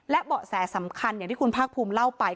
และเบาะแสสำคัญอย่างที่คุณภาคภูมิเล่าไป